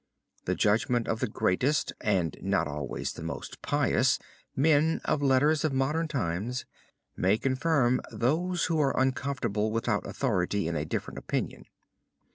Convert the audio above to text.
The judgment of the greatest (and not always of the most pious) men of letters of modern times may confirm those who are uncomfortable without authority in a different opinion.